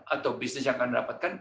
atau bisnis yang kami dapatkan